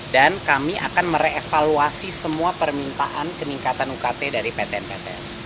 dan kami akan merevaluasi semua permintaan peningkatan ukt dari batn batn